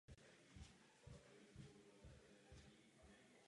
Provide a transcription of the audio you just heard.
Proč výuka dětí neprobíhá v jejich národním jazyku?